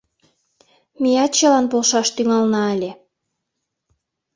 Меат чылан полшаш тӱҥалына ыле...